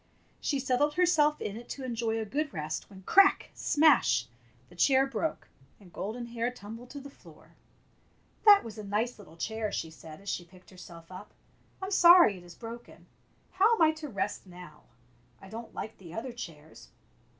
She had settled herself in it to enjoy a good rest when crack! smash! the chair broke, and Golden Hair tumbled to the floor. 7 Fairy Tale Bears "That was a nice little chair/' she said as she picked herself up. "I'm sorry it is broken. How am I to rest now? I don't like the other chairs.